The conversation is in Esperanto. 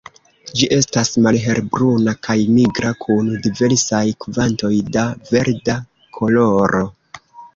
Ĝi estas malhelbruna kaj nigra kun diversaj kvantoj da verda koloro.